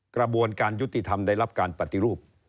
กระบวนการยุติธรรมได้รับการปฏิรูป